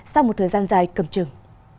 sau một thời gian dài cầm trừng